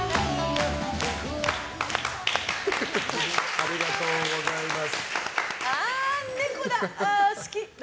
ありがとうございます。